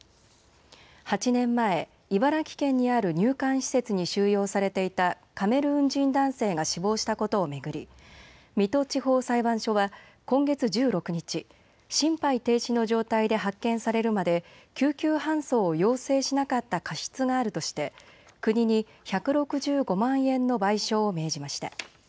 ８年前、茨城県にある入管施設に収容されていたカメルーン人男性が死亡したことを巡り水戸地方裁判所は今月１６日、心肺停止の状態で発見されるまで救急搬送を要請しなかった過失があるとして国に１６５万円の賠償を命じました。